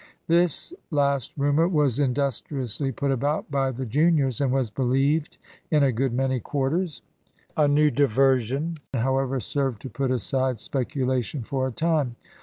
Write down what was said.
This last rumour was industriously put about by the juniors, and was believed in a good many quarters. A new diversion, however, served to put aside speculation for a time.